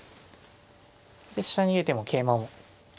で飛車逃げても桂馬を取れる。